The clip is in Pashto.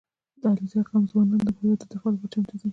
• د علیزي قوم ځوانان د هېواد د دفاع لپاره چمتو دي.